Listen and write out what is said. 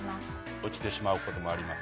落ちてしまう事もあります。